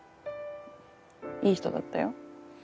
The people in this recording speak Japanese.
いい人だったよ。